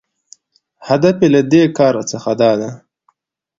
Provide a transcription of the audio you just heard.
هدف یې له دې کاره څخه داده